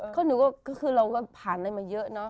ใช่นู่ก็คือเราก็ผ่านได้มาเยอะครับ